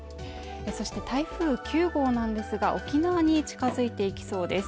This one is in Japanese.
そして台風９号なんですが沖縄に近づいていきそうです